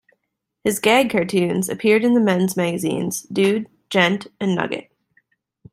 His gag cartoons appeared in the men's magazines "Dude", "Gent" and "Nugget".